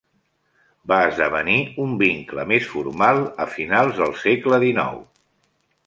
Va esdevenir un vincle més formal a finals del segle dinou.